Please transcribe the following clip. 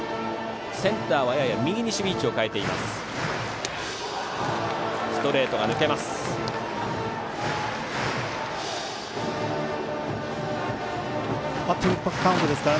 センターはやや右に守備位置を変えました。